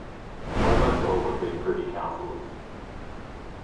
Almost all have been Privy Councillors.